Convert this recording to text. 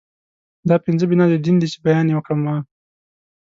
دا پنځه بنا د دين دي چې بیان يې وکړ ما